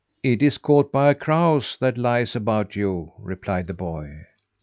"It is Caught by Crows that lies about you," replied the boy.